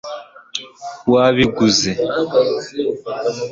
wabiguze